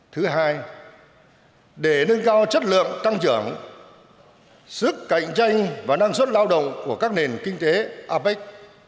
thứ hai để nâng cao chất lượng tăng trưởng sức cạnh tranh và năng suất lao động của các nền kinh tế apec